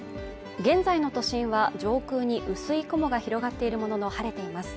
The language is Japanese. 現在の都心は上空に薄い雲が広がっているものの晴れています